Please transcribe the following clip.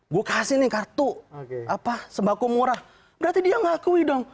gue kasih nih kartu sembako murah berarti dia ngakui dong